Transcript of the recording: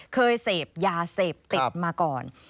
เคยเสพยาเสพติดมาก่อน